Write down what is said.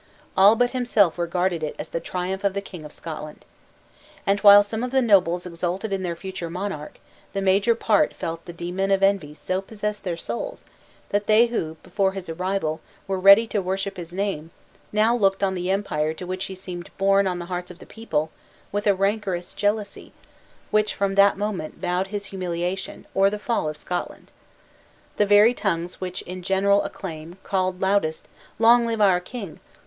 All but himself regarded it as the triumph of the King of Scotland. And while some of the nobles exulted in their future monarch, the major part felt the demon of envy so possess their souls, that they who, before his arrival, were ready to worship his name, now looked on the empire to which he seemed borne on the hearts of the people, with a rancorous jealousy, which from that moment vowed his humiliation, or the fall of Scotland. The very tongues which in general acclaim, called loudest, "Long live our king!"